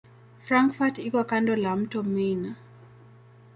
Frankfurt iko kando la mto Main.